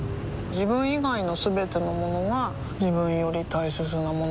自分以外のすべてのものが自分より大切なものだと思いたい